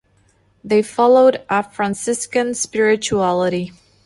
They followed a Franciscan spirituality.